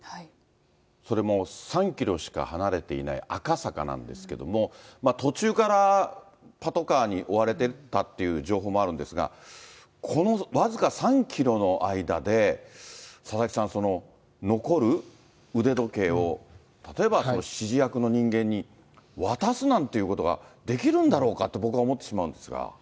それも３キロしか離れていない赤坂なんですけども、途中からパトカーに追われてたっていう情報もあるんですが、この僅か３キロの間で、佐々木さん、残る腕時計を例えば指示役の人間に渡すなんていうことができるんだろうかって、僕は思ってしまうんですが。